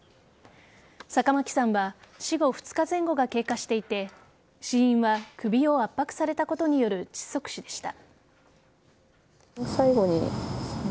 坂巻さんは死後２日前後が経過していて死因は首を圧迫されたことによる窒息死でした。